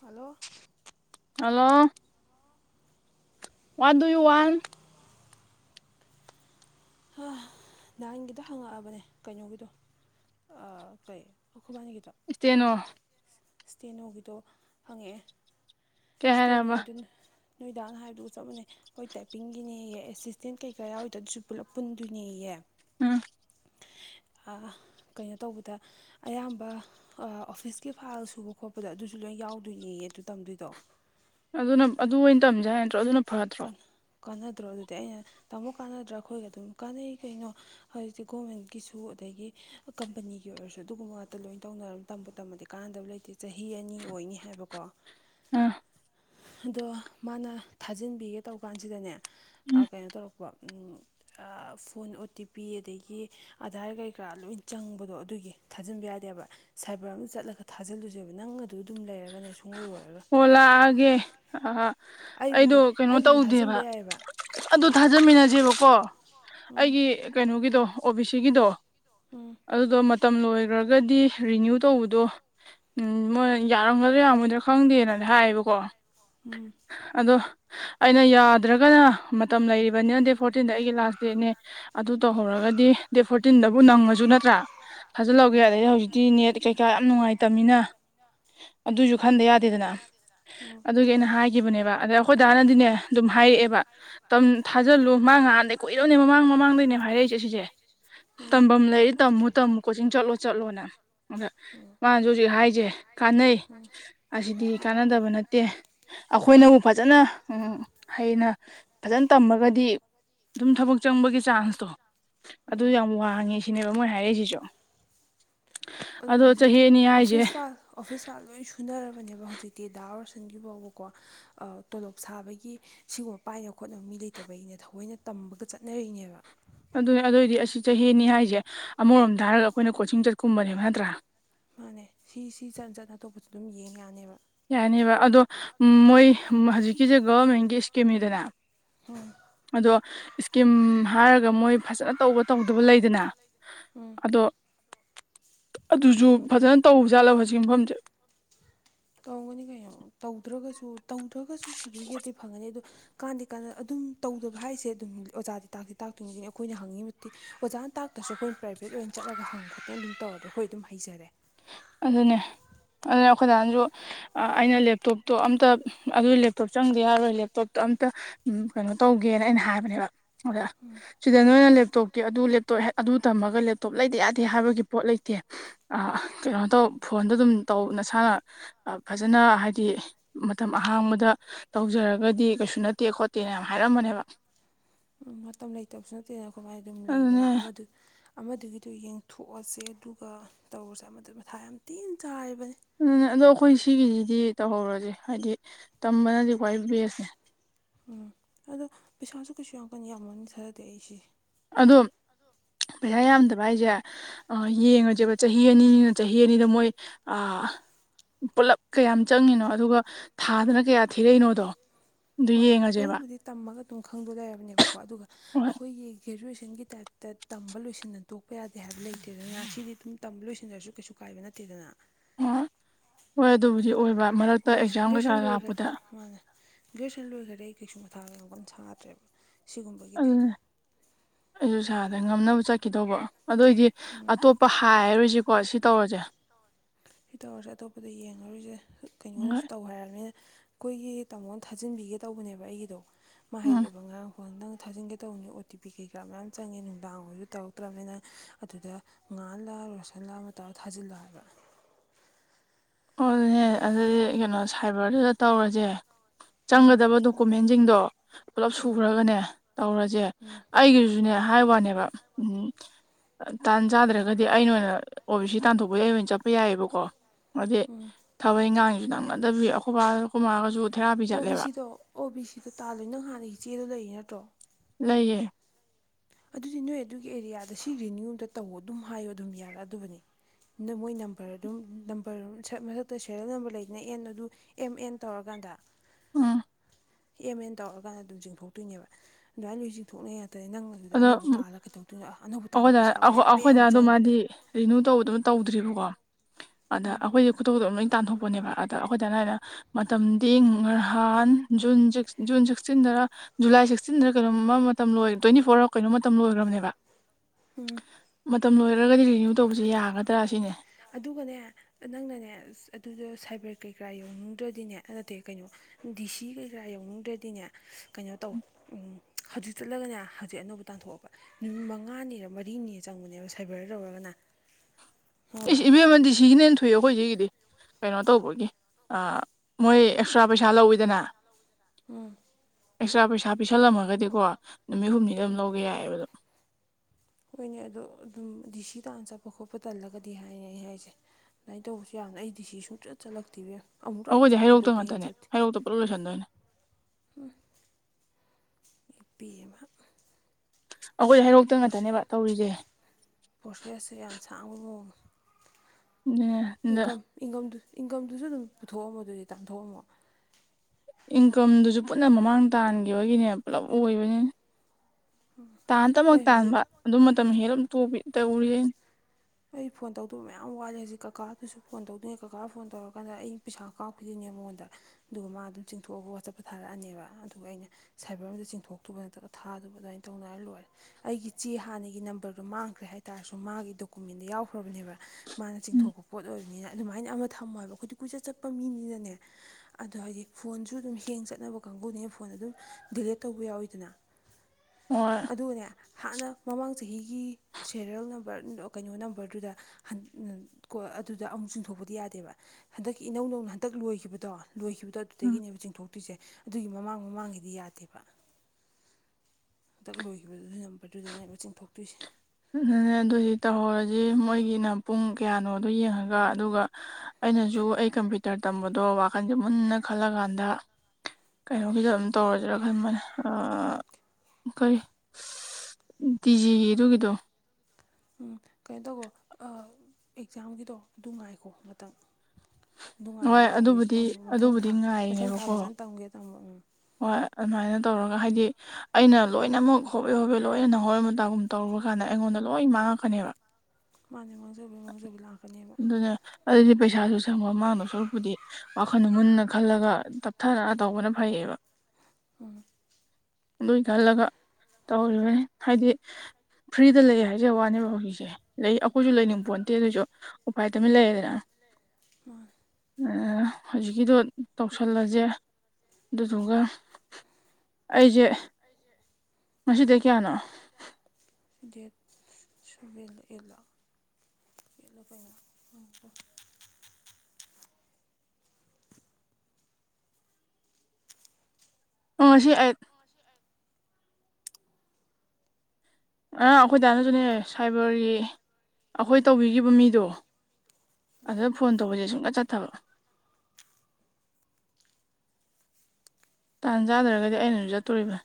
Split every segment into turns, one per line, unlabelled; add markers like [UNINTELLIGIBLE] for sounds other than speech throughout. Hello
hello what do you want
ꯍꯥ ꯅꯍꯥꯟꯒꯤꯗꯣ ꯍꯪꯉꯛꯑꯕꯅꯦ ꯀꯩꯅꯣꯒꯤꯗꯣ ꯑꯥ ꯀꯩ ꯑꯩꯈꫭꯏꯕꯥꯅꯤꯒꯤꯗꫭ
ꯏꯁꯇꯦꯅꯣ
ꯏꯁꯇꯦꯅꯣꯒꯤꯗꯣ ꯍꯪꯉꯛꯑꯦ
ꯀꯩ ꯍꯥꯏꯔꯕ
ꯏꯁꯇꯦꯅꯣꯒꯤꯗꯨ ꯅꯣꯏ ꯗꯥꯅ ꯍꯥꯏꯕꯗꯨꯒ ꯆꯥꯞ ꯃꯥꯟꯅꯩ ꯑꯩꯈꯣꯏ ꯇꯥꯏꯄꯤꯡꯒꯤꯅꯦꯌꯦ ꯑꯦꯁꯤꯁꯇꯦꯟ ꯀꯩꯀꯥ ꯌꯥꯎꯔꯤꯗꯨꯁꯨ ꯄꯨꯂꯞ ꯄꯨꯟꯗꯣꯏꯅꯦꯌꯦ
ꯎꯝ
ꯑꯥ ꯀꯩꯅꯣ ꯇꯧꯕꯗ ꯑꯌꯥꯝꯕ ꯑꯥ ꯑꯣꯐꯤꯁ ꯀꯤ ꯐꯥꯏꯜ ꯁꯨꯕ ꯈꯣꯠꯄꯗ ꯑꯗꯨꯁꯨ ꯂꯣꯏ ꯌꯥꯎꯗꯣꯏꯅꯦꯌꯦ ꯑꯗꯨ ꯇꯝꯗꯣꯏꯗꯣ
ꯑꯗꯨꯅ ꯑꯗꯨ ꯑꯣꯏꯅ ꯇꯝꯁꯦ ꯍꯥꯏ ꯅꯠꯇ꯭ꯔꯣ ꯑꯗꯨꯅ ꯐꯠꯇ꯭ꯔꯣ
ꯀꯥꯟꯅꯗ꯭ꯔꯣ ꯑꯗꯨꯗꯤ ꯑꯩꯅ ꯇꯥꯃꯣ ꯀꯥꯟꯅꯗ꯭ꯔꯥ ꯑꯩꯈꯣꯏꯒ ꯑꯗꯨꯝ ꯀꯥꯟꯅꯩ ꯀꯩꯅꯣ ꯍꯧꯖꯤꯛꯇꯤ ꯒꯣꯔꯃꯦꯟꯒꯤꯁꯨ ꯑꯗꯒꯤ ꯀꯝꯄꯅꯤꯒꯤ ꯑꯣꯏꯔꯁꯨ ꯑꯗꯨꯒꯨꯝꯕ ꯉꯥꯛꯇ ꯂꯣꯏ ꯇꯧꯅꯔꯝ ꯇꯝꯕꯨ ꯇꯝꯃꯗꯤ ꯀꯥꯟꯅꯗꯕ ꯂꯩꯇꯦ ꯆꯍꯤ ꯑꯅꯤ ꯑꯣꯏꯅꯤ ꯍꯥꯏꯕꯀꯣ
ꯑꯝ
ꯑꯗꯣ ꯃꯥꯅ ꯊꯥꯖꯤꯟꯕꯤꯒꯦ ꯇꯧꯕ ꯀꯥꯟꯁꯤꯗꯅꯦ
ꯎꯝ
ꯀꯩꯅꯣ ꯇꯧꯔꯛꯄ ꯐꯣꯟ ꯑꯣ ꯇꯤ ꯄꯤ ꯑꯗꯒꯤ ꯑꯙꯥꯔ ꯀꯩ ꯀꯔꯥ ꯂꯣꯏ ꯆꯪꯕꯗꯣ ꯑꯗꯨꯒꯤ ꯊꯥꯖꯤꯟꯕ ꯌꯥꯗꯦꯕ ꯁꯥꯏꯕꯔ ꯑꯃ ꯆꯠꯂꯒ ꯊꯥꯖꯤꯜꯂꯨꯁꯦꯕ ꯅꯪ ꯑꯗꯨ ꯑꯗꯨꯝ ꯂꯩꯔꯒꯅꯦ ꯁꯨꯡꯒꯣꯏ ꯑꯣꯏꯔꯒ
ꯍꯣ ꯂꯥꯛꯑꯒꯦ ꯑ ꯑꯩꯗꯣ
ꯑꯩꯕꯨꯗꯤ
ꯀꯩꯅꯣ
ꯑꯩꯕꯨꯗꯤ ꯊꯥꯖꯤꯟꯕ
ꯇꯧꯗꯦꯕ
ꯌꯥꯏꯑꯕ
ꯑꯗꯨ
ꯀꯩ
ꯊꯥꯖꯃꯤꯟꯅꯁꯦꯕꯀꯣ
ꯎꯝ
ꯑꯩꯒꯤ ꯀꯩꯅꯣꯒꯤꯗꯣ ꯑꯣ ꯕꯤ ꯁꯤꯒꯤꯗꯣ
ꯑꯣ
ꯑꯗꯨꯗꯣ ꯃꯇꯝ ꯂꯣꯏꯈ꯭ꯔꯒꯗꯤ ꯔꯤꯅ꯭ꯌꯨ ꯇꯧꯕꯗꯣ ꯃꯣꯏ ꯌꯥꯔꯝꯒꯗ ꯌꯥꯝ ꯈꯪꯗꯦꯅꯗꯤ ꯍꯥꯏꯌꯦꯕꯀꯣ
ꯎꯝ
ꯑꯗꯣ ꯑꯩꯅ ꯌꯥꯗ꯭ꯔꯒꯅ ꯃꯇꯝ ꯂꯩꯔꯤꯕꯅꯤꯅ ꯗꯦ ꯐꯣꯔꯇꯤꯟꯗ ꯑꯩꯒꯤ ꯂꯥꯁ ꯗꯦꯠꯅꯦ ꯑꯗꯨ ꯇꯧꯍꯧꯔꯒꯗꯤ ꯗꯦꯠ ꯐꯣꯔꯇꯤꯟꯗꯕꯨ ꯅꯪꯉꯁꯨ ꯅꯠꯇ꯭ꯔꯥ
ꯑꯗꯨ
ꯊꯥꯖꯤꯜꯍꯧꯒꯦ ꯑꯗꯩ ꯍꯧꯖꯤꯛꯇꯤ ꯅꯦꯠ ꯀꯩ ꯩꯀꯥ ꯌꯥꯝ ꯅꯨꯡꯉꯥꯏꯇꯕꯃꯤꯅ ꯑꯗꯨꯁꯨ ꯈꯟꯗ ꯌꯥꯗꯦꯗꯅ
ꯎꯝ
ꯑꯗꯨꯒꯤ ꯑꯩꯅ ꯍꯥꯏꯈꯤꯕꯅꯦꯕ ꯑꯗ ꯑꯩꯈꯣꯏꯗ ꯍꯥꯟꯅꯗꯤꯅꯦ ꯑꯗꯨꯝ ꯍꯥꯏꯔꯛꯑꯦꯕ ꯊꯥꯖꯤꯜꯂꯨ ꯃꯥ ꯉꯍꯥꯟꯗꯒꯤꯩ ꯀꯣꯏꯏꯔꯣꯅꯦꯕ ꯃꯃꯥꯡ ꯃꯃꯥꯡꯗꯩꯅꯦꯕ ꯍꯥꯏꯔꯛꯏꯁꯦ ꯁꯤꯁꯦ
ꯎꯝ
ꯇꯝꯐꯝ ꯂꯩꯔꯤ ꯇꯝꯃꯨ ꯇꯝꯃꯨ ꯀꯣꯆꯤꯡ ꯆꯠꯂꯣ ꯆꯠꯂꯣꯅꯦ ꯑꯗ
ꯎꯝ
ꯃꯥꯅꯁꯨ ꯍꯧꯖꯤꯛ ꯍꯥꯏꯔꯤꯁꯦ ꯀꯥꯟꯅꯩ ꯑꯁꯤꯗꯤ ꯀꯥꯟꯅꯗꯕ ꯅꯠꯇꯦ ꯑꯩꯈꯣꯏꯅꯕꯨ ꯐꯖꯅ ꯎ ꯍꯩꯅ ꯐꯖꯅ ꯇꯝꯃꯒꯗꯤ ꯑꯗꯨꯝ ꯊꯕꯛ ꯆꯪꯕꯒꯤ ꯆꯥꯟꯁꯇꯣ ꯑꯗꯨ ꯌꯥꯝ ꯋꯥꯡꯉꯦ ꯁꯤꯅꯦꯕ ꯃꯣꯏ ꯍꯥꯏꯔꯛꯏꯁꯤꯁꯨ
ꯑꯗꯨ
ꯑꯗꯣ ꯆꯍꯤ
ꯍꯧꯖꯤꯛꯇꯤ
ꯑꯅꯤ ꯍꯥꯏꯁꯦ
ꯑꯣꯐꯤꯁ ꯐ ꯑꯣꯐꯤꯁ ꯋꯥ ꯂꯣꯏ ꯁꯨꯅꯔꯕꯅꯦꯕ ꯍꯧꯖꯤꯛꯇꯤ ꯗꯥ ꯑꯣꯔꯁꯟꯒꯤ ꯐꯥꯎꯕꯀꯣ ꯇꯣꯂꯣꯞ ꯁꯥꯕꯒꯤ ꯁꯤꯒꯨꯝꯕ ꯄꯥꯏꯅꯕ ꯈꯣꯠꯅꯕ ꯃꯤ ꯂꯩꯇꯕ ꯑꯩꯅ ꯊꯑꯣꯏꯅ ꯇꯝꯕꯒ ꯆꯠꯅꯔꯤꯛꯅꯦꯕ
ꯑꯗꯨꯅꯦ ꯑꯗꯨꯑꯣꯏꯗꯤ ꯑꯁꯤ ꯆꯍꯤꯅꯤ ꯍꯥꯏꯁꯦ ꯑꯃꯔꯣꯝꯗ ꯍꯥꯏꯔꯒ ꯑꯩꯈꯣꯏꯅ ꯀꯣꯆꯤꯡ ꯆꯠꯀꯨꯝꯕꯅꯦꯕ ꯅꯠꯇ꯭ꯔꯥ
ꯃꯥꯅꯦ ꯁꯤ ꯁꯤ ꯆꯟ ꯆꯠ ꯑꯇꯣꯞꯄꯁꯨ ꯑꯗꯨꯝ ꯌꯦꯡ ꯌꯥꯅꯦꯕ
ꯌꯥꯅꯦꯕ ꯑꯗꯣ ꯃꯣꯏ ꯍꯧꯖꯤꯛꯀꯤꯁꯦ ꯒꯣꯣꯔꯔꯃꯦꯟꯒꯤ ꯏꯁꯀꯤꯝꯅꯤꯗꯅ ꯑꯗꯣ ꯏꯁꯀꯤꯝ ꯍꯥꯏꯔꯒ ꯃꯣꯏ ꯐꯖꯅ ꯇꯧꯕ ꯇꯧꯗꯕ ꯂꯩꯗꯅ
ꯎꯝ
ꯗꯣ ꯑꯗꯨꯁꯨ ꯐꯖꯅ ꯇꯧꯕꯖꯥꯠꯂꯕ ꯁꯤ ꯃꯐꯝꯁꯦ
ꯇꯧꯒꯅꯤ ꯀꯩꯅꯣ ꯇꯧꯗ꯭ꯔꯒꯁꯨ ꯇꯧꯗ꯭ꯔꯒꯁꯨ ꯁꯥꯔꯇꯤꯐꯤꯀꯦꯠꯇꯤ ꯐꯪꯒꯅꯤ ꯑꯗꯣ ꯀꯥꯟꯅꯗꯗꯤ ꯀꯥꯟꯗ ꯑꯗꯨꯝ ꯇꯧꯗꯕ ꯍꯥꯏꯁꯦ ꯑꯗꯨꯝ ꯑꯣꯖꯥꯗꯤ ꯇꯥꯛꯇꯤ ꯇꯥꯛꯇꯣꯏꯅꯤ ꯑꯩꯈꯣꯏꯅ ꯍꯪꯉꯤꯕ ꯑꯣꯖꯥꯅ ꯇꯥꯛꯇꯁꯨ ꯑꯩꯈꯣꯏꯅ ꯄ꯭ꯔꯥꯏꯚꯦꯠ ꯑꯣꯏꯅ ꯆꯠꯂꯒ ꯍꯪꯈꯅꯦꯦ ꯑꯗꯨꯝ ꯇꯧꯔꯗꯣ ꯑꯩꯈꯣꯏ ꯑꯗꯨꯝꯩꯖꯔꯦ
ꯑꯗꯨꯅꯦ ꯑꯗꯨꯅꯦ ꯑꯩꯈꯣꯏꯗꯟꯁꯨ ꯑꯩꯅ ꯂꯦꯞꯇꯣꯞꯇꯣ ꯑꯝꯇ ꯑꯗꯨ ꯂꯦꯞꯇꯣꯞ ꯆꯪꯗ ꯌꯥꯔꯣꯏ ꯂꯦꯞꯇꯣꯞꯇꯣ ꯑꯝꯇ ꯎꯝ ꯀꯩꯅꯣ ꯇꯧꯒꯦꯅ ꯑꯩꯅ ꯍꯥꯏꯕꯅꯦꯕ ꯑꯗ ꯁꯤꯗ ꯅꯣꯏꯅ ꯂꯦꯞꯇꯣꯞꯇꯤ ꯑꯗꯨ ꯂꯦꯞꯇꯣꯞ ꯑꯗꯨ ꯇꯝꯃꯒ ꯂꯦꯞꯇꯣꯞ ꯂꯩꯇ ꯌꯥꯗꯦ ꯍꯥꯏꯕꯒꯤ ꯄꯣꯠ ꯂꯩꯇꯦ ꯀꯩꯅꯣ ꯇꯧ ꯐꯣꯟꯗꯣ ꯑꯗꯨꯝ ꯇꯧ ꯅꯁꯥꯅ ꯐꯖꯅ ꯍꯥꯏꯗꯤ ꯃꯇꯝ ꯑꯍꯥꯡꯕꯗ ꯇꯧꯖꯔꯒꯗꯤ ꯀꯩꯁꯨ ꯅꯠꯇꯦ ꯈꯣꯠꯇꯦꯅ ꯍꯥꯏꯔꯝꯕꯅꯦꯕ
ꯃꯇꯝ ꯂꯩꯇꯕꯁꯨ ꯅꯠꯇꯦꯅ ꯑꯩꯃꯥꯏꯅ ꯑꯗꯨꯝ ꯂꯩꯗꯅ
ꯑꯗꯨꯅꯦ
ꯑꯃ ꯑꯃꯗꯨꯒꯤꯗꯣ ꯌꯦꯡꯊꯣꯛꯑꯁꯦ ꯑꯗꯨꯒ ꯇꯧꯔꯁꯦ ꯑꯃꯗꯨ ꯃꯊꯥ ꯌꯥꯝ ꯇꯤ ꯆꯥꯏꯔꯤꯕꯅꯦ
ꯑꯗꯨꯅꯦ ꯑꯗꯣ ꯑꯩꯈꯣꯏ ꯁꯤꯒꯤꯁꯤꯗꯤ ꯇꯧꯍꯧꯔꯁꯦ ꯍꯥꯏꯗꯤ ꯇꯝꯕꯅꯗꯤ ꯈ꯭ꯋꯥꯏ ꯕꯦꯁꯅꯦ
ꯎꯝ ꯑꯗꯣ ꯄꯩꯁꯥꯁꯨ ꯀꯩꯁꯨ ꯌꯥꯝ ꯀ ꯌꯥꯝꯃꯅꯤ ꯊꯥꯗꯦ ꯑꯩꯁꯦ
ꯑꯗꯣ ꯄꯩꯁꯥ ꯌꯥꯝꯗꯕ ꯍꯥꯏꯁꯦ ꯌꯦꯡꯉꯁꯦꯕ ꯆꯍꯤ ꯑꯅꯤꯅꯤꯅ ꯆꯍꯤ ꯑꯅꯤꯗ ꯃꯣꯏ ꯄꯨꯂꯞ ꯀꯌꯥꯝ ꯆꯪꯉꯤꯅꯣ ꯑꯗꯨꯒ ꯊꯥꯗꯅ ꯀꯌꯥ ꯊꯤꯔꯛꯏꯅꯣꯗꯣ ꯑꯗꯨ
ꯍꯣꯏ
ꯌꯦꯡꯉꯁꯦꯕ
ꯑꯗꯨꯕꯨꯗꯤ ꯇꯝꯃꯒ ꯑꯗꯨꯝ ꯈꯪꯗꯣꯏ ꯂꯩꯔꯕꯅꯦꯕꯀꯣ ꯑꯗꯨꯒ
ꯍꯣꯏ
ꯑꯩꯈꯣꯏꯒꯤ ꯒ꯭ꯔꯦꯖꯨꯋꯦꯁꯟꯒꯤ ꯇꯥꯏꯞꯇ ꯇꯝꯕ ꯂꯣꯏꯁꯤꯟꯅ ꯇꯣꯛꯄ ꯌꯥꯗꯦ ꯍꯥꯏꯕ ꯂꯩꯇꯦ ꯑꯗꯨꯅ ꯁꯤꯗꯤ ꯑꯗꯨꯝ ꯇꯝꯕ ꯂꯣꯏꯁꯤꯟꯅꯂꯔꯁꯨ ꯀꯩꯁꯨ ꯎꯀꯥꯏꯕ ꯅꯠꯇꯦꯗꯅ
ꯍꯣꯏ ꯍꯣꯏ ꯑꯗꯨꯕꯨꯗꯤ ꯑꯣꯏꯕ ꯃꯔꯛꯇ ꯑꯦꯛꯖꯥꯝ ꯀꯩꯀꯥ
ꯁꯟ ꯂꯣꯏꯈꯔ
ꯂꯥꯛꯄꯗ
ꯃꯥꯅꯦ ꯒ꯭ꯔꯦꯖꯨꯌꯦꯦꯁꯟ ꯂꯣꯏꯈ꯭ꯔ ꯑꯩ ꯀꯩꯁꯨ ꯃꯊꯥꯗ ꯌꯥꯝꯨ ꯀꯥꯟ ꯁꯥꯗ꯭ꯔꯦꯕ ꯁꯤꯒꯨꯝꯕꯒꯤꯗꯤ
ꯑꯗꯨꯅꯦ ꯑꯩꯁꯨ ꯁꯥꯗ ꯉꯝꯅꯕ ꯆꯠꯈꯤꯗꯧꯕ ꯑꯗꯨꯑꯣꯏꯗꯤ ꯑꯇꯣꯞꯄ ꯍꯥꯏ ꯍꯥꯏꯔꯨꯁꯤꯀꯣ ꯁꯤ ꯇꯧꯔꯁꯦ
ꯁꯤ ꯇꯧꯔꯁꯦ ꯑꯇꯣꯞꯄꯗ ꯌꯦꯡꯉꯨꯔꯤꯁꯦ ꯀꯩꯅꯉꯣꯗꯁꯨ
ꯍꯣꯏ
ꯇꯧ ꯍꯥꯏꯔꯕꯅꯤꯅ ꯑꯩꯈꯣꯏꯒꯤ ꯇꯥꯃꯣ ꯊꯥꯖꯤꯟꯕꯤꯒꯦ ꯇꯧꯕꯅꯦꯕ ꯑꯩꯒꯤꯗꯣ ꯃꯥ
ꯎꯝ
ꯍꯥꯏꯩꯔꯛꯑꯦꯕ ꯉꯉꯥꯡ ꯐꯣꯟ ꯅꯪ ꯊꯥꯖꯤꯟꯒꯦ ꯇꯧꯕꯅꯦ ꯑꯣ ꯇꯤ ꯄꯤ ꯀꯩ ꯀꯥ ꯃꯌꯥꯝ ꯆꯪꯉꯦ ꯅꯨꯡꯗꯥꯡ ꯑꯣꯏꯔꯁꯨ ꯇꯧꯔꯛꯇ꯭ꯔꯕꯅꯤꯅ ꯑꯗꯨꯗ ꯉꯥꯜꯂꯥ ꯔꯣꯁꯟꯂꯥ ꯃꯇꯥꯎ ꯊꯥꯖꯤꯜꯂ ꯍꯥꯏꯕ
ꯑꯣ ꯑꯗꯨꯅꯦ ꯑꯗꯨꯗꯤ ꯀꯩꯅꯣ ꯁꯥꯏꯕꯔꯗꯨꯗ ꯇꯧꯔꯁꯦ ꯆꯪꯒꯗꯕ ꯗꯣꯀꯨꯃꯦꯟꯁꯤꯡꯗꯣ ꯄꯨꯂꯞ ꯁꯨꯈ꯭ꯔꯒꯅꯦ ꯇꯧꯔꯁꯦ
ꯎꯝ
ꯑꯩꯒꯤꯁꯨꯅꯦ ꯍꯥꯏ ꯋꯥꯅꯦꯕ ꯎꯝ ꯇꯥꯟ ꯆꯥꯗ꯭ꯔꯦ ꯑꯗꯨꯗꯤ ꯑꯩꯅ ꯑꯣꯏꯅ ꯑꯣ ꯕꯤ ꯁꯤ ꯇꯥꯟꯊꯣꯛꯄꯩ ꯑꯩ ꯑꯣꯏꯅ ꯆꯠꯄ ꯌꯥꯏꯌꯦꯕꯀꯣ ꯍꯥꯏꯗꯤ ꯊꯕꯛ ꯏꯪꯈꯥꯡꯁꯨ ꯅꯪꯅꯗꯕꯤ ꯑꯩꯈꯣꯏꯕ ꯑꯩꯈꯣꯏꯃꯥꯒꯁꯨ ꯊꯦꯔꯥꯄꯤ
ꯑꯣ ꯕꯤ
ꯆꯠꯂꯦꯕ
ꯁꯤꯗꯣ ꯑꯣ ꯕꯤ ꯁꯤꯗꯣ ꯇꯥꯗꯣꯏ ꯅꯪ ꯍꯥꯟꯅ ꯏꯤꯆꯦꯗꯣ ꯂꯩꯔꯤ ꯅꯠꯇ꯭ꯔꯣ
ꯂꯩꯌꯦ
ꯑꯗꯨꯗꯤ ꯅꯣꯏ ꯑꯗꯨꯒꯤ ꯑꯦꯔꯤꯌꯥꯗ ꯁꯤ ꯔꯤꯅ꯭ꯌꯨ ꯑꯝꯇ ꯇꯧ ꯑꯗꯨꯝ ꯍꯥꯏꯌꯣ ꯑꯗꯨꯝ ꯌꯥꯔ ꯑꯗꯨꯕꯅꯤ ꯅ ꯃꯣꯏ ꯅꯝꯕꯔ ꯑꯗꯨꯝ ꯅꯝꯕꯔ ꯃꯊꯛꯇ ꯁꯦꯔꯦꯜ ꯅꯝꯕꯔ ꯂꯩꯗꯅ ꯑꯦꯟ ꯑꯗꯨ ꯑꯦꯝ ꯑꯦꯟ ꯇꯧꯔꯀꯥꯟꯗ
ꯎꯝ
ꯍꯦꯝ ꯑꯦꯦꯟ ꯇꯧꯔꯀꯥꯟꯗ ꯑꯗꯨꯝ ꯆꯤꯡꯊꯣꯛꯇꯣꯏꯅꯦꯕ ꯑꯗꯨꯃꯥꯏꯅ ꯂꯣꯏ ꯆꯤꯡꯊꯣꯛꯅꯩ ꯍꯥꯏꯥꯛꯇꯥꯔꯗꯤ ꯅꯪ ꯑꯗ
ꯑꯗꯣ
ꯑꯅꯧꯕ ꯇꯥꯔꯒ ꯀꯩꯗꯧꯣꯏꯅ ꯑꯅꯧꯕ ꯇꯥꯥꯟꯕꯗ
ꯑꯩꯈꯣꯏꯗ
ꯄꯩꯁꯥ ꯀꯣꯞꯄ
ꯑꯩꯈꯣꯏꯗ
ꯑꯃꯨꯛ
ꯑꯗꯣ
ꯆꯪꯉꯦ
ꯃꯥꯗꯤ ꯔꯤꯅ꯭ꯌꯨ ꯇꯧꯕꯗꯨꯅ ꯇꯧꯗ꯭ꯔꯤꯕꯀꯣ ꯑꯗ ꯑꯩꯈꯣꯏꯁꯨ ꯈꯨꯗꯣꯇꯣ ꯑꯗꯨꯝ ꯂꯣꯏ ꯇꯥꯟꯊꯣꯛꯄꯅꯦꯕ ꯑꯗ ꯑꯩꯈꯣꯏꯗꯅꯅꯥꯥꯏꯅ ꯃꯇꯝꯗꯤ ꯉꯔꯍꯥꯟ ꯖꯨꯟ ꯖꯨꯟ ꯁꯤꯛꯁꯇꯤꯟꯗ ꯖꯨꯂꯥꯏ ꯁꯤꯛꯁꯇꯤꯟꯗ ꯀꯩꯅꯣꯝ ꯃꯇꯝ ꯂꯣꯏ ꯇ꯭ꯋꯦꯟꯇꯤ ꯐꯣꯔ ꯑꯥꯎ ꯀꯩꯅꯣꯝ ꯃꯇꯝ ꯂꯣꯏꯈ꯭ꯔꯕꯅꯦꯕ
ꯎꯝ
ꯃꯇꯝ ꯂꯣꯏꯔꯒꯗꯤ ꯔꯤꯅ꯭ꯌꯨ ꯇꯧꯕꯁꯦ ꯌꯥꯒꯗ꯭ꯔꯥ ꯁꯤꯅꯦ
ꯑꯗꯨꯒꯅꯦ ꯅꯪꯅꯅꯦ ꯑꯗꯨꯗ ꯁꯥꯏꯕꯔ ꯀꯩꯀꯔꯥ ꯌꯧꯅꯤꯡꯗ꯭ꯔꯗꯤꯅꯦ ꯅꯠꯇꯦ ꯀꯩꯅꯣ ꯗꯤ ꯁꯤ ꯀꯩꯀꯥ ꯌꯧꯅꯤꯡꯗ꯭ꯔꯗꯤꯅꯦ ꯀꯩꯅꯣ ꯇꯧ ꯎꯝ ꯍꯧꯖꯤꯛ ꯆꯠꯂꯒꯅꯦ ꯍꯧꯖꯤꯛ ꯑꯅꯧꯕ ꯇꯥꯟꯊꯣꯛꯑꯄ ꯅꯨꯃꯤꯠ ꯃꯉꯥꯅꯤꯔ ꯃꯔꯤꯅꯤꯔ ꯆꯪꯕꯅꯦꯕ ꯁꯥꯏꯕꯔ ꯇꯧꯔꯒꯅ ꯈꯪꯉꯕ
ꯏꯕꯦꯝꯃꯗꯤ ꯁꯤꯒꯤꯅꯦ ꯍꯨꯏ ꯑꯩꯈꯣꯏ ꯁꯤꯒꯤꯗꯤ ꯀꯩꯅꯣ ꯇꯧꯕꯒꯤ ꯃꯣꯏ ꯑꯦꯛꯁꯇ꯭ꯔꯥ ꯄꯩꯁꯥ ꯂꯧꯋꯤ
ꯎꯝ
ꯑꯦꯛꯁꯇ꯭ꯔꯥ ꯄꯩꯁꯥ ꯄꯤꯁꯜꯂꯝꯃꯒꯗꯤꯀꯣ ꯅꯨꯃꯤꯠ ꯍꯨꯝꯅꯤꯗ ꯑꯗꯨꯝ ꯂꯧꯒꯦ ꯌꯥꯏꯑꯕ ꯑꯗꯨꯝ
ꯍꯈꯣꯏꯅꯦ ꯑꯗꯣ ꯑꯗꯨꯝ ꯗꯤ ꯁꯤ ꯇꯥꯟꯥꯟ ꯆꯠꯄ ꯈꯣꯠꯄ ꯇꯜꯂꯒꯗꯤ ꯍꯥꯏꯅꯤ ꯑꯩ ꯍꯥꯏꯁꯦ ꯑꯗꯨꯃꯥꯏꯅ ꯇꯧꯕꯁꯨ ꯌꯥꯅ ꯑꯩꯗꯤ ꯁꯤ ꯁꯨꯡꯆꯠ ꯆꯠꯂꯛꯇꯤꯕ ꯑꯃꯨꯛ ꯔꯛ
ꯑꯩꯈꯣꯏꯗꯤ
ꯆ
ꯍꯩꯔꯣꯛꯇ
ꯀ꯭ꯌꯨꯗꯗꯒꯤ ꯍꯦꯟ
ꯉꯥꯛꯇꯅꯦ
ꯆ
ꯍꯩꯔꯣꯛꯇ ꯄꯨꯂꯞ ꯂꯣꯏꯁꯟꯗꯣꯏꯅꯦ
ꯎ ꯅꯨꯄꯤ ꯑꯃ
ꯑꯩꯈꯣꯏ ꯍꯩꯔꯣꯛꯇ ꯉꯇꯅꯦꯕ ꯇꯧꯔꯤꯁꯦ
ꯄ꯭ꯔꯣꯠꯁꯦꯁꯁꯨ ꯌꯥꯝ ꯁꯥꯡꯕ ꯃꯑꯣꯡ
ꯎ
ꯏꯪꯀꯝꯗꯨ ꯏꯟꯀꯝꯗꯨꯁꯨ ꯑꯗꯨꯝ ꯄꯨꯊꯣꯛꯑꯝꯃꯣ ꯑꯗꯨꯗꯤ ꯇꯥꯟꯊꯣꯛꯑꯝꯃꯣ
ꯏꯟꯀꯝꯗꯨꯁꯨ ꯄꯨꯟꯅ ꯃꯃꯥꯡ ꯇꯥꯟꯍꯈꯤꯕꯈꯤꯕꯒꯤꯅꯦ ꯄꯨꯂꯞ ꯑꯣꯏꯕꯅꯤꯅ ꯇꯥ ꯇꯃꯛ
ꯑꯩ ꯍꯧꯖꯤꯛ
ꯇꯥꯟꯕ ꯑꯗꯨ ꯃꯇꯝ ꯍꯦꯛꯂ ꯇꯧꯔꯤꯦꯅꯤ
ꯑꯩ ꯐꯣꯟ ꯇꯧꯗꯕ ꯃꯌꯥꯝ ꯋꯥꯠꯂꯦ ꯍꯧꯖꯤꯛ ꯀꯀꯥꯗꯨꯁꯨ ꯐꯣꯟ ꯇꯧꯗꯣꯏꯉ ꯀꯀꯥ ꯐꯣꯟ ꯇꯧꯔꯀꯥꯟꯗ ꯑꯩ ꯄꯩꯁꯥ ꯀꯥꯎꯞꯈꯤꯗꯣꯏꯅꯦ ꯃꯉꯣꯟꯗ ꯑꯗꯨꯒ ꯃꯥ ꯑꯗꯨꯝ ꯆꯤꯡꯊꯣꯛꯑꯒ ꯋꯥꯆꯞꯄ ꯊꯥꯔꯛꯑꯅꯦꯕ ꯑꯗꯨꯒ ꯑꯩꯅ ꯁꯥꯏꯕꯔ ꯑꯃꯝꯗ ꯆꯤꯡꯊꯣꯛꯇꯕ ꯅꯠꯇ꯭ꯔꯒ ꯊꯥꯗꯕ ꯑꯗꯨꯃꯥꯏꯅ ꯇꯧꯅ ꯍꯥꯏꯔ ꯂꯣꯏꯔꯦ ꯑꯩꯒꯤ ꯆꯦ ꯍꯥꯟꯅꯒꯤ ꯅꯝꯕꯔꯗꯨꯣ ꯃꯥꯡꯈ꯭ꯔꯦ ꯍꯥꯏꯇꯥꯔꯁꯨ ꯃꯥꯒꯤ ꯗꯣꯀꯨꯃꯦꯟꯗ ꯌꯥꯎꯈ꯭ꯔꯕꯅꯦꯕ ꯃꯥꯅ ꯆꯤꯡꯊꯣꯛꯄ ꯄꯣꯠ ꯑꯣꯏꯕꯅꯤꯅ ꯑꯗꯨꯃꯥꯏꯅ ꯑꯃ ꯊꯝꯃꯣ ꯍꯥꯏꯕ ꯑꯩꯈꯣꯏ ꯀꯨꯏꯆꯠ ꯆꯠꯄ ꯃꯤꯅꯤꯅꯅꯦ ꯑꯗꯣ ꯍꯥꯏꯗꯤ ꯐꯣꯟꯁꯨ ꯑꯗꯨꯝ ꯍꯦꯡ ꯆꯠꯅꯕ ꯀꯥꯡꯕꯨꯅꯦ ꯐꯣꯟ ꯑꯗꯨꯝ ꯗꯤꯂꯦꯠ ꯇꯧꯕ ꯌꯥꯎꯋꯤꯗꯅ [UNINTELLIGIBLE]
ꯍꯣꯏ꯫
ꯑꯗꯨꯒꯅꯦ ꯍꯥꯟꯅ ꯃꯃꯥꯡ ꯆꯍꯤꯒꯤ ꯁꯦꯔꯤꯜ ꯅꯝꯕꯔ ꯀꯩꯅꯣ ꯅꯝꯕꯔꯗꯨꯗ ꯍꯟ ꯎꯝ ꯀꯣ ꯑꯗꯨꯗ ꯑꯃꯨꯛ ꯆꯤꯡꯊꯣꯛꯄꯗꯤ ꯌꯥꯗꯦꯕ꯫ ꯍꯟꯗꯛꯀꯤ ꯏꯅꯧ ꯅꯧꯅ ꯍꯟꯗꯛ ꯂꯣꯏꯈꯤꯕꯗꯣ ꯂꯣꯏꯈꯤꯕꯗꯣ ꯑꯗꯨꯗꯒꯤꯅꯦꯕ ꯆꯤꯡꯊꯣꯛꯇꯣꯏꯁꯦ꯫ ꯑꯗꯨꯒꯤ ꯃꯃꯥꯡ ꯃꯃꯥꯡꯒꯤꯗꯤ ꯌꯥꯗꯦꯕ꯫ ꯍꯟꯗꯛ ꯂꯣꯏꯈꯤꯕꯗꯨ ꯅꯝꯕꯔꯗꯨꯗꯅꯦ ꯆꯤꯡꯊꯣꯛꯇꯣꯏꯁꯦ꯫
ꯎꯝ ꯑꯗꯨꯏꯗꯤ ꯇꯧꯍꯧꯔꯁꯤ ꯃꯣꯏꯒꯤꯅ ꯄꯨꯡ ꯀꯌꯥꯅꯣꯗꯣ ꯌꯦꯡꯉꯒ ꯑꯗꯨꯒ ꯑꯩꯅꯁꯨ ꯑꯩ ꯀꯝꯄ꯭ꯌꯨꯇꯔ ꯇꯝꯕꯗꯣ ꯋꯥꯈꯜꯁꯦ ꯃꯨꯟꯅ ꯈꯜꯂ ꯀꯥꯟꯗ ꯀꯩꯅꯣꯒꯤꯗ ꯑꯗꯨꯝ ꯇꯧꯔꯁꯤꯔꯥ ꯈꯟꯕꯅꯦ ꯑ ꯑ ꯀꯔꯤ ꯇꯤꯖꯤꯒꯤ ꯑꯗꯨꯒꯤꯗꯣ꯫
ꯎꯝ ꯀꯩꯅꯣ ꯇꯧꯈꯣ ꯑꯦꯛꯖꯥꯝꯒꯤꯗꯣ ꯑꯗꯨ ꯉꯥꯏꯈꯣ ꯃꯇꯪ
ꯍꯣꯏ
ꯅꯨꯡꯉꯥꯏꯔꯒ ꯇꯝꯒꯦꯁꯨ
ꯑꯗꯨꯕꯨꯗꯤ
ꯇꯝꯃ ꯃꯊꯪ
ꯑꯗꯨꯕꯨꯗꯤ
ꯊꯥ ꯃꯊꯪ ꯊꯥ
ꯉꯥꯏꯔꯤꯅꯦꯕꯀꯣ
ꯐꯖꯅ ꯇꯝꯒꯦ ꯇꯝꯃꯣ ꯎꯝ
ꯍꯣꯏ ꯑꯗꯨꯃꯥꯏꯅ ꯇꯧꯔꯒ ꯍꯥꯏꯗꯤ ꯑꯩꯅ ꯂꯣꯏꯅꯃꯛ ꯍꯣꯕꯦ ꯍꯣꯕꯦ ꯂꯣꯏꯅꯅ ꯍꯣꯔ ꯃꯇꯥꯛꯒꯨꯝ ꯇꯧꯔꯕ ꯀꯥꯟꯗ ꯑꯩꯉꯣꯟꯗ ꯂꯣꯏ ꯃꯥꯡꯉꯛꯀꯅꯦꯕ꯫
ꯃꯥꯅꯤ ꯃꯥꯡꯖꯕꯩ ꯃꯥꯡꯖꯕ ꯂꯥꯛ
ꯑꯗꯨꯅꯦ ꯑꯗꯨꯗꯤ ꯄꯩꯁꯥꯁꯨ ꯁꯪꯕ ꯃꯥꯡꯗꯣ ꯁꯔꯨꯛꯄꯨꯗꯤ ꯋꯥꯈꯜ ꯃꯨꯟꯅ ꯈꯜꯂꯒ ꯇꯞꯊꯔ ꯇꯧꯕꯅ ꯐꯩꯌꯦꯕ꯫
ꯎꯝ꯫
ꯑꯗꯣꯏ ꯈꯜꯂꯒ ꯇꯧꯔꯤꯕꯅꯤ ꯍꯥꯏꯗꯤ ꯐ꯭ꯔꯤꯗ ꯂꯩ ꯍꯥꯏꯖꯕ ꯋꯥꯅꯦꯕ ꯍꯧꯖꯤꯛꯁꯦ ꯂꯩ ꯑꯩꯈꯣꯏꯁꯨ ꯂꯩꯅꯤꯡꯕꯄꯣꯟꯇꯦ ꯑꯗꯨꯁꯨ ꯎꯄꯥ ꯂꯩꯏꯇꯝ ꯂꯩꯌꯦꯗꯅ
ꯃꯥꯅꯦ
ꯎꯝ ꯍꯧꯖꯤꯛꯀꯤꯗꯣ ꯇꯧꯁꯜꯂꯁꯦ ꯑꯗꯨꯗꯨꯒ ꯑꯩꯁꯦ ꯉꯁꯤ ꯗꯦꯠ ꯀꯌꯥꯅꯣ꯫
ꯗꯦꯠ ꯁꯕꯦꯟ ꯂꯣ ꯑꯦꯠꯂꯣ ꯑꯦꯠꯂꯣ ꯀꯩꯅꯣ [UNINTELLIGIBLE]
ꯑꯣ ꯉꯁꯤ ꯑꯩꯠ ꯑꯥ ꯑꯩꯈꯣꯏ
ꯐꯣꯟꯁꯦ
ꯗꯅꯁꯨꯅꯦ
ꯌꯦꯡꯉꯣ
ꯁꯥꯏꯕꯔꯒꯤ ꯑꯩꯈꯣꯏ ꯇꯧꯕꯤꯈꯤꯕ ꯃꯤꯗꯣ ꯑꯗꯨꯗ ꯐꯣꯟ ꯇꯧꯕꯁꯦ ꯁꯨꯡꯆꯠ ꯆꯠꯇꯕ꯫ ꯇꯥꯟ ꯆꯥꯗ꯭ꯔꯒꯗꯤ ꯑꯩꯅꯁꯨ ꯆꯠꯇꯣꯔꯤꯕ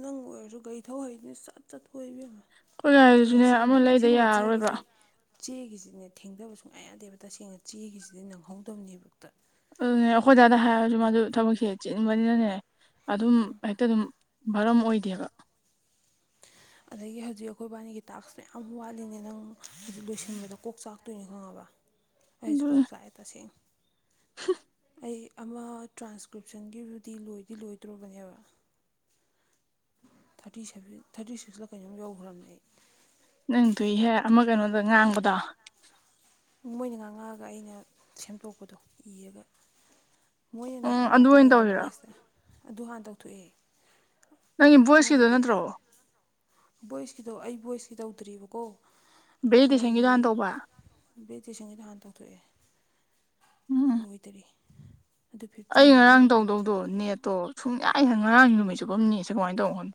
ꯅꯪ ꯑꯣꯏꯔꯁꯨ ꯒꯥꯔꯤ ꯊꯧꯍꯩꯅꯤ ꯁꯠ ꯆꯠꯄ ꯀꯣꯏꯕꯤꯝꯃꯥ
ꯑꯩꯈꯣꯏ
ꯍꯥꯏꯗꯤꯅꯦ
ꯒꯥꯔꯤꯗꯨꯁꯨꯅꯦ ꯑꯃ
ꯁꯤꯒꯨꯝꯕ
ꯂꯩꯗ
ꯁꯤꯒꯨꯝꯕ
ꯌꯥꯔꯔꯣꯏꯕ
ꯆꯦꯒꯤꯁꯤ ꯆꯦꯒꯤꯁꯤꯅꯦ ꯊꯦꯡꯗꯕ ꯁꯨꯡꯌꯥ ꯌꯥꯗꯦꯕ ꯇꯁꯦꯡꯅ ꯆꯦꯒꯤꯁꯤꯗꯤ ꯅꯪꯍꯧꯗꯕꯅꯦꯕ ꯍꯦꯛꯇ
ꯑꯗꯨꯅꯦ ꯑꯩꯈꯣꯏꯗꯥꯗ ꯍꯥꯏꯔꯁꯨ ꯃꯥꯗꯨ ꯊꯕꯛꯁꯦ ꯆꯤꯟꯅꯤꯡꯕꯅꯤꯅꯅꯦ ꯑꯗꯨꯝ ꯍꯦꯛꯇ ꯑꯗꯨꯝ ꯕꯔꯝ ꯑꯣꯏꯗꯦꯕ
ꯑꯗꯩꯒꯤ ꯍꯧꯖꯤꯛ ꯑꯩꯈꯣꯏ ꯏꯕꯥꯅꯤꯒꯤ ꯇꯥꯛꯁ ꯃꯌꯥꯝ ꯋꯥꯠꯂꯤꯅꯦ ꯅꯪ ꯍꯧꯖꯤꯛ ꯂꯣꯏꯁꯤꯟꯕꯗꯣ ꯀꯣꯛ ꯆꯥꯛꯇꯣꯏꯅꯤ ꯈꯪꯉꯕ ꯑꯩꯁꯨ ꯀꯣꯛ ꯆꯥꯛꯑꯦ ꯇꯁꯦꯡ
ꯍꯝ
ꯑꯩ ꯑꯃ ꯇ꯭ꯔꯥꯟꯁꯀ꯭ꯔꯤꯞꯁꯟꯒꯤꯗꯨꯗꯤ ꯂꯣꯏꯗꯤ ꯂꯣꯏꯗꯣꯔ꯭ꯕꯅꯦꯕ꯫ ꯊꯥꯔꯇꯤ ꯁꯚꯦꯟ ꯊꯥꯔꯇꯤ ꯁꯤꯛꯁꯇ ꯀꯩꯅꯣꯝ ꯌꯧꯈ꯭ꯔꯔꯝꯃꯦ ꯑꯩ
ꯅꯪꯊꯨꯏꯍꯦ ꯑꯃ ꯀꯩꯅꯣꯗ ꯉꯥꯡꯕꯗꯣ꯫
ꯃꯣꯏꯅ ꯉꯥꯡꯉꯛꯑꯒ ꯑꯩꯅ ꯁꯦꯝꯗꯣꯛꯄꯗꯣ ꯏꯔꯒ꯫ ꯃꯣꯏꯅꯅꯦ
ꯎꯝ ꯑꯗꯨ ꯑꯣꯏꯅ
ꯉꯥꯡꯉꯛꯀꯅꯦꯕ
ꯇꯧꯔꯤꯔꯣ
ꯚꯣꯏꯁꯇꯥ ꯑꯗꯨ ꯍꯥꯟꯅ ꯇꯧꯊꯣꯛꯑꯦ꯫
ꯅꯪꯒꯤ ꯚꯣꯏꯁꯀꯤꯗꯣ
ꯑꯃꯗꯨꯗꯤ
ꯅꯠꯇ꯭ꯔꯣ
ꯚꯣꯏꯁꯀꯤꯗꯣ ꯑꯩ ꯚꯣꯏꯁꯀꯤ ꯇꯧꯗ꯭ꯔꯤꯕꯀꯣ꯫
ꯚꯦꯂꯤ ꯇꯦꯁꯟꯒꯤꯗꯨ ꯍꯥꯟꯅ ꯇꯧꯕ꯫
ꯕꯦꯔꯤꯇꯦꯁꯟꯒꯤꯗꯨ ꯍꯥꯟ ꯇꯧꯊꯣꯛꯑꯦ꯫
ꯎꯝ꯫
ꯂꯣꯏꯗꯔꯤ꯫ ꯑꯗꯨ
ꯑꯩ
ꯐꯤꯐꯇꯤꯅꯤ
ꯉꯔꯥꯡ
ꯏꯕꯦꯝꯃ ꯐꯤꯐꯇꯤ
ꯇꯧꯗꯧꯗꯣ ꯅꯦꯠꯇꯣ ꯁꯨꯡꯌꯥ ꯑꯩ ꯉꯔꯥꯡ ꯅꯨꯃꯤꯠ ꯆꯨꯞꯄꯝꯅꯦꯠꯁꯦ ꯀꯃꯥꯏꯅ ꯇꯧꯕꯅꯣ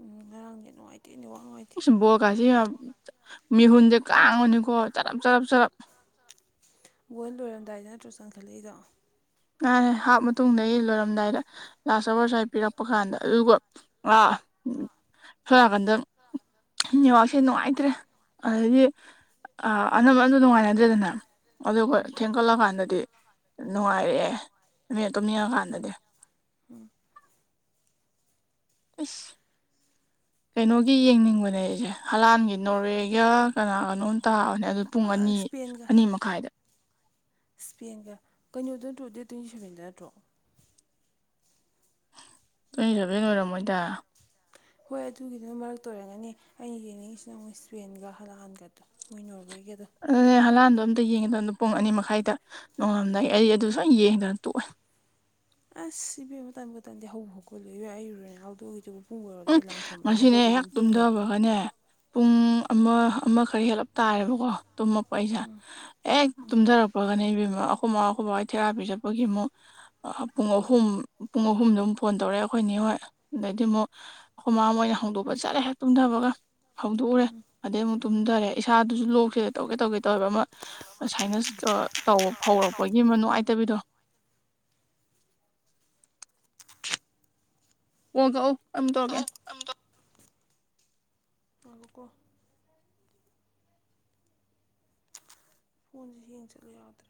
ꯎꯝ ꯉꯔꯥꯡ ꯅꯦꯠ ꯅꯨꯡꯉꯥꯏꯇꯦ ꯅꯦꯠ ꯋꯥꯛ ꯅꯨꯡꯉꯥꯏꯇꯦ
ꯑꯁ ꯕꯣ ꯀꯥꯏꯁꯦ ꯃꯤꯍꯨꯟꯁꯦ ꯀꯥꯡꯕꯅꯤꯀꯣ ꯆꯔꯞ ꯆꯔꯞ ꯆꯔꯞ
ꯒꯣꯜ ꯂꯣꯏꯔꯝꯗꯥꯏꯗ ꯅꯠꯇ꯭ꯔꯣ ꯆꯪꯈꯠꯂꯛꯏꯗꯣ
ꯃꯥꯅꯦ ꯍꯥꯞꯄ ꯃꯇꯨꯡꯗꯒꯤ ꯂꯣꯏꯔꯝꯗꯥꯏꯗ ꯂꯥꯁ ꯑꯋꯥꯔ ꯁꯋꯥꯏ ꯄꯤꯔꯛꯄ ꯀꯥꯟꯗ ꯑꯗꯨꯒ ꯑꯥ ꯁꯣꯝꯅꯥꯀꯟꯗ ꯅꯦꯋꯥꯛꯁꯦ ꯅꯨꯡꯉꯥꯏꯇ꯭ꯔꯦ ꯑꯗꯩꯒꯤ ꯑꯅꯝꯕꯅ ꯑꯝꯇ ꯅꯨꯡꯉꯥꯏꯅꯗ꯭ꯔꯦꯗꯅ ꯑꯗꯨꯒ ꯊꯦꯡꯒꯠꯂꯛꯑꯀꯥꯟꯗꯗꯤ ꯅꯨꯡꯉꯥꯏꯔꯛꯑꯦ ꯃꯤꯅ ꯇꯨꯝꯅꯤꯡꯉꯛꯑꯀꯥꯟꯗꯗꯤ ꯏꯁ ꯀꯩꯅꯣꯒꯤ ꯌꯦꯡꯅꯤꯡꯕꯅꯦ ꯑꯩꯁꯦ ꯍꯂꯥꯟꯒꯤ ꯅꯣꯔꯋꯦꯒ ꯀꯅꯥꯒꯅꯣꯝ ꯇꯥꯕꯅꯦ ꯑꯗꯨ ꯄꯨꯡ ꯑꯅꯤ ꯑꯅꯤ ꯃꯈꯥꯏꯗ
ꯁ꯭ꯄꯦꯟꯒ ꯀꯩꯅꯣꯗꯨ ꯅꯠꯇ꯭ꯔꯣ ꯗꯦꯠ ꯇꯣꯟꯇꯤ ꯁꯕꯦꯟꯗ ꯅꯠꯇ꯭ꯔꯣ
ꯇꯣꯟꯇꯤ ꯁꯕꯦꯟ ꯑꯣꯏꯔꯝꯃꯣꯏꯗ
ꯍꯣꯏ ꯑꯗꯨꯒꯤꯗꯨꯅ ꯃꯔꯛꯇ ꯑꯣꯏꯝꯔꯒꯅꯤ ꯑꯩꯅ ꯌꯦꯡꯅꯤꯡꯉꯤꯁꯤꯅ ꯃꯣꯏ ꯏꯁꯄꯦꯟꯒ ꯍꯂꯥꯟꯒꯗꯣ ꯃꯣꯏ ꯅꯣꯔꯋꯦꯒꯗꯣ
ꯑꯗꯨꯅꯦ ꯍꯂꯥꯟꯗꯣ ꯑꯝꯇ ꯌꯦꯡꯒꯦꯇꯧꯅꯤ ꯄꯨꯡ ꯑꯅꯤ ꯃꯈꯥꯏꯗ ꯅꯣꯡꯉꯥꯜ ꯂꯝꯗꯥꯏ ꯑꯩ ꯑꯗꯨ ꯁꯣꯏ ꯌꯦꯡꯗꯅ ꯇꯣꯛꯑꯣꯏ
ꯑꯁ ꯏꯕꯦꯝꯃ ꯇꯟꯕꯨ ꯇꯥꯟꯗꯦ ꯍꯧꯕꯨ ꯍꯧꯒꯧꯂꯦ ꯏꯕꯦ ꯑꯩ [UNINTELLIGIBLE]
ꯎꯝ
ꯑꯦꯂꯥꯔꯝ ꯊꯝꯕꯅꯦ
ꯉꯁꯤꯅꯦ
ꯍꯧꯒꯠꯇꯦ
ꯍꯦꯛ
ꯑꯗꯨꯝ ꯇꯨꯝ ꯂꯩ
ꯇꯨꯝꯗꯕꯒꯅꯦ ꯄꯨꯡ ꯑꯃ ꯑꯃ ꯈꯔ ꯍꯦꯜꯂꯞ ꯇꯥꯔꯦꯕꯀꯣ ꯇꯨꯝꯃꯛꯄ ꯑꯩꯁꯦ ꯍꯦꯛ ꯇꯨꯝꯊꯔꯛꯄꯒꯅꯦ ꯏꯕꯦꯝꯃ ꯑꯩꯈꯣꯏ ꯃꯥ ꯑꯩꯈꯣꯏ ꯕꯥꯍꯣꯏ ꯊꯦꯔꯥꯄꯤ ꯆꯠꯄꯒꯤ ꯑꯃꯨꯛ ꯄꯨꯡ ꯑꯍꯨꯝ ꯄꯨꯡ ꯑꯍꯨꯝꯗꯃꯨꯛ ꯐꯣꯟ ꯇꯧꯔꯛꯑꯦ ꯑꯩꯈꯣꯏ ꯅꯦ ꯍꯣꯏ ꯑꯗꯩꯗꯤ ꯑꯃꯨꯛ ꯑꯩꯈꯣꯏꯃꯥ ꯑꯃꯨꯛ ꯑꯩꯅ ꯍꯧꯗꯣꯛꯄ ꯆꯠꯂꯦ ꯇꯨꯝꯊꯕꯒ ꯍꯧꯗꯣꯛꯎꯔꯦ ꯑꯗꯩ ꯑꯃꯨꯛ ꯇꯨꯝꯊꯔꯦ ꯏꯁꯥꯗꯨꯁꯨ ꯂꯣꯛꯁꯦ ꯇꯧꯒꯦ ꯇꯧꯒꯦ ꯇꯧꯋꯦꯕ ꯑꯃ ꯁꯥꯏꯅꯁ ꯀ ꯇꯧ ꯍꯧꯔꯛꯄꯒꯤ ꯑꯃ ꯅꯨꯡꯉꯥꯏꯇꯕꯤꯗꯣ ꯀꯣꯜ ꯀꯛꯎ ꯑꯩ ꯃꯨꯛ ꯇꯧꯔꯛꯀꯦ
ꯉꯥꯏꯈꯣꯀꯣ ꯐꯣꯟꯁꯦ ꯍꯦꯡ ꯆꯠꯂꯦ ꯌꯥꯗ꯭ꯔꯦ